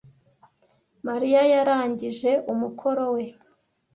Mariya yarangije umukoro we.